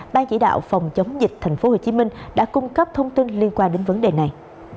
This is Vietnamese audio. ban chỉ đạo phòng chống dịch tp hcm đã cung cấp thông tin liên quan đến vấn đề này